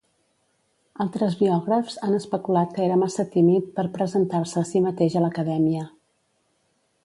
Altres biògrafs han especulat que era massa tímid per presentar-se a si mateix a l'Acadèmia.